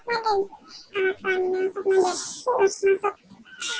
saya tidak bisa lagi tidur